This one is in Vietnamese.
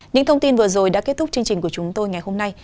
những thông tin vừa rồi đã kết thúc chương trình của chúng tôi ngày hôm nay